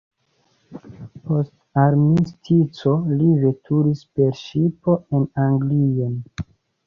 Post armistico li veturis per ŝipo en Anglion.